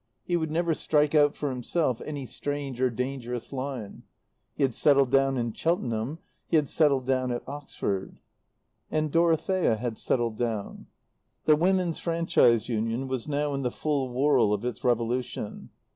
He would never strike out for himself any strange or dangerous line. He had settled down at Cheltenham; he had settled down at Oxford. And Dorothea had settled down. The Women's Franchise Union was now in the full whirl of its revolution.